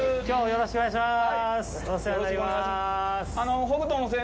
よろしくお願いします。